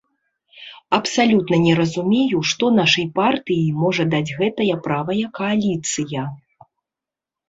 Абсалютна не разумею, што нашай партыі можа даць гэтая правая кааліцыя.